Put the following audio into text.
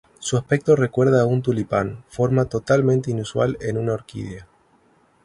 Su aspecto recuerda a un tulipán, forma totalmente inusual en una orquídea.